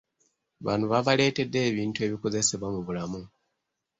Bano babaleetedde ebintu ebikozesebwa mu bulamu.